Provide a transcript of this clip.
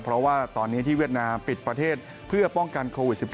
เพราะว่าตอนนี้ที่เวียดนามปิดประเทศเพื่อป้องกันโควิด๑๙